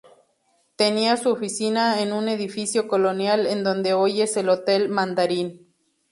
Tenía su oficina en un edificio colonial en donde hoy es el Hotel Mandarín.